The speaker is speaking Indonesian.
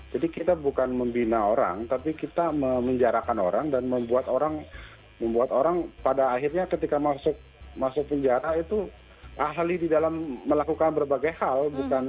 jadi kita bukan membina orang tapi kita menjarahkan orang dan membuat orang membuat orang pada akhirnya ketika masuk penjara itu ahli di dalam melakukan berbagai hal